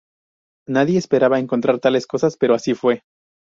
Nadie esperaba encontrar tales cosas pero así fue.